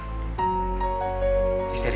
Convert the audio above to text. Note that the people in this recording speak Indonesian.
mama sempat histeris tadi